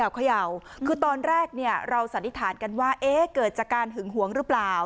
เขย่าคือตอนแรกเนี่ยเราสันนิษฐานกันว่าเกิดจากการหึงหวงหรือเปล่า